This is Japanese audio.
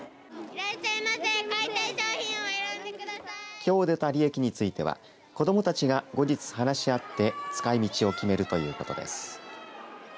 きょう出た利益については子どもたちが、後日話し合って使い道を決めるということです。